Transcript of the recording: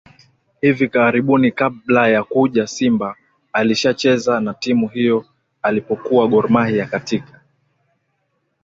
hivi karibuni kabla ya kuja Simba alishacheza na timu hiyo alipokuwa Gor Mahia katika